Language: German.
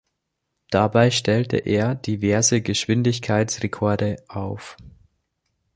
Dabei stellte er diverse Geschwindigkeitsrekorde auf.